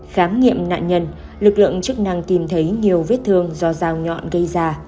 khám nghiệm nạn nhân lực lượng chức năng tìm thấy nhiều vết thương do dao nhọn gây ra